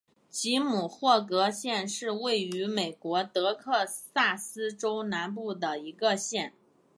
吉姆霍格县是位于美国德克萨斯州南部的一个县。